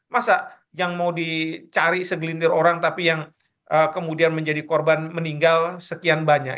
masa yang mau dicari segelintir orang tapi yang kemudian menjadi korban meninggal sekian banyak